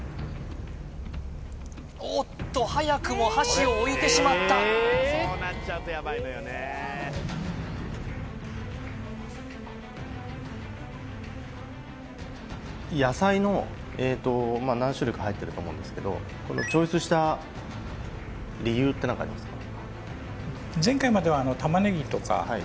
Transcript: おっと早くも箸を置いてしまった野菜のえっとまっ何種類か入ってると思うんですけどチョイスした理由って何かありますか？